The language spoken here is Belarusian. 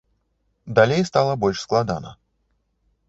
Далей стала больш складана.